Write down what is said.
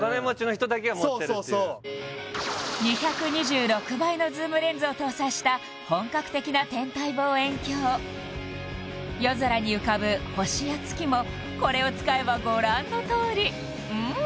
そうそうそうを搭載した本格的な天体望遠鏡夜空に浮かぶ星や月もこれを使えばご覧のとおりうん